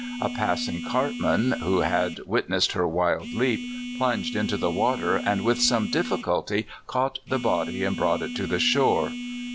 A passing cartman, who had witnessed her wild leap, plunged into the water, and with some difficulty caught the body and brought it to the shore.